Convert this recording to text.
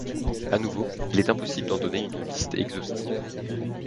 À nouveau, il est impossible d'en donner une liste exhaustive.